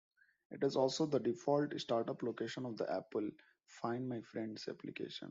It is also the default startup location of the Apple "Find my Friends" application.